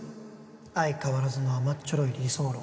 相変わらずの甘っちょろい理想論